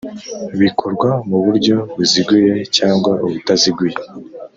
Bikorwa mu buryo buziguye cyangwa ubutaziguye